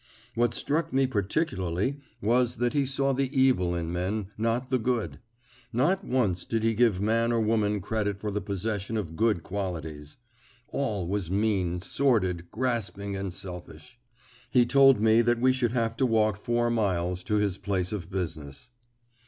What struck me particularly was that he saw the evil in men, not the good. Not once did he give man or woman credit for the possession of good qualities. All was mean, sordid, grasping, and selfish. He told me that we should have to walk four miles to his place of business.